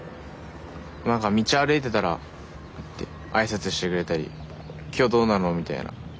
何か道歩いてたらって挨拶してくれたり今日どうなの？みたいな。